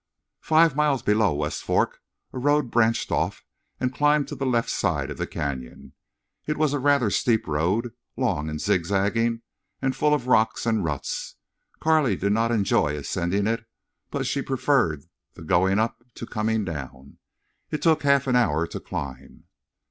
Five miles below West Fork a road branched off and climbed the left side of the canyon. It was a rather steep road, long and zigzaging, and full of rocks and ruts. Carley did not enjoy ascending it, but she preferred the going up to coming down. It took half an hour to climb.